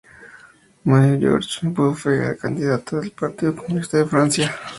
Marie-George Buffet candidata del Partido Comunista de Francia.